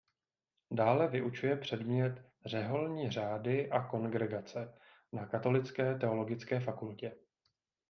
Dále vyučuje předmět "Řeholní řády a kongregace" na Katolické teologické fakultě.